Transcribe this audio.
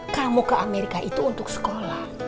kamu ke amerika itu untuk sekolah